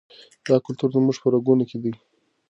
دا کلتور زموږ په رګونو کې دی.